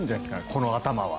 この頭は。